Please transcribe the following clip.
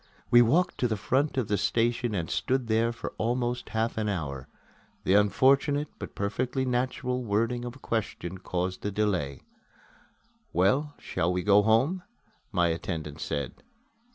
We walked to the front of the station and stood there for almost half an hour. The unfortunate, but perfectly natural, wording of a question caused the delay. "Well, shall we go home?" my attendant said.